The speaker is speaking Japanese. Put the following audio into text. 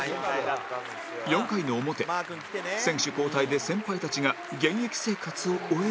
４回の表選手交代で先輩たちが現役生活を終えると